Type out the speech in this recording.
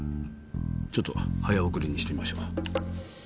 ちょっと早送りにしてみましょう。